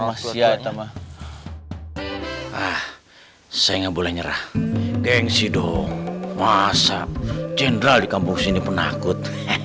ah saya nggak boleh nyerah gengsi dong masa jenderal di kampung sini penakut